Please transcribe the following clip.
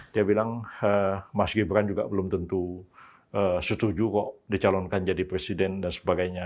dia bilang mas gibran juga belum tentu setuju kok dicalonkan jadi presiden dan sebagainya